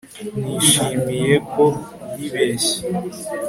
nishimiye ko yibeshye